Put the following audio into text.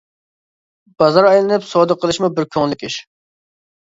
بازار ئايلىنىپ سودا قىلىشمۇ بىر كۆڭۈللۈك ئىش.